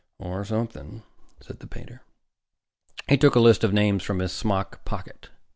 "Or something," said the painter. He took a list of names from his smock pocket.